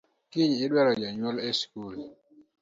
Kiny idwaro jonyuol e school